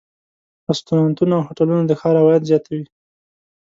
رستورانتونه او هوټلونه د ښار عواید زیاتوي.